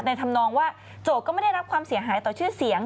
ทำนองว่าโจทย์ก็ไม่ได้รับความเสียหายต่อชื่อเสียง